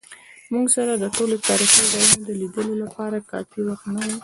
موږ سره د ټولو تاریخي ځایونو د لیدو لپاره کافي وخت نه و.